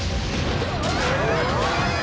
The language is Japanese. うわ！